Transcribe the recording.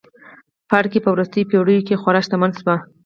پاړکي په وروستیو پېړیو کې خورا شتمن شوي وو.